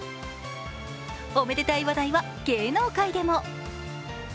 おめでたい話題は芸能界でも。